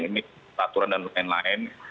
ini aturan dan lain lain